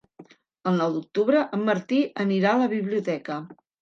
El nou d'octubre en Martí anirà a la biblioteca.